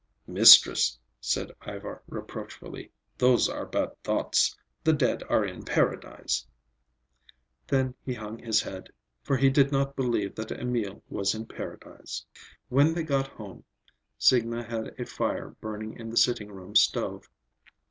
"Mistress," said Ivar reproachfully, "those are bad thoughts. The dead are in Paradise." Then he hung his head, for he did not believe that Emil was in Paradise. When they got home, Signa had a fire burning in the sitting room stove.